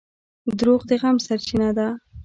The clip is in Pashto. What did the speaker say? • دروغ د غم سرچینه ده.